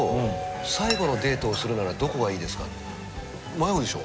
迷うでしょ？